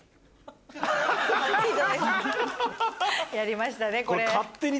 やりましたねこれ。